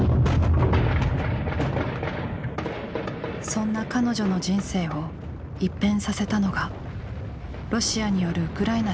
そんな彼女の人生を一変させたのがロシアによるウクライナ侵攻でした。